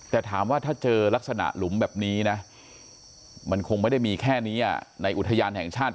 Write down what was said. แต่ถามว่าถ้าเจอลักษณะหลุมแบบนี้นะมันคงไม่ได้มีแค่นี้ในอุทยานแห่งชาติ